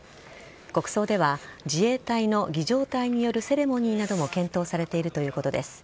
国葬では自衛隊の儀仗隊によるセレモニーなども検討されているということです。